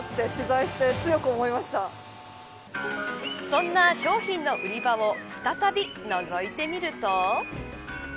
そんな商品の売り場を再びのぞいてみると。